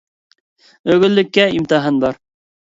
ئۆگۈنلۈككە ئىمتىھان بار.